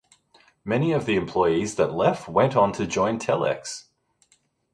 Many of the employees that left went on to join Telex.